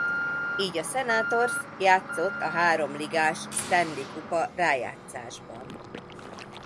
Így a Senators játszott a három-ligás Stanley-kupa rájátszásban.